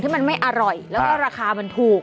มันไม่อร่อยแล้วก็ราคามันถูก